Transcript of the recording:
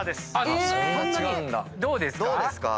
どうですか？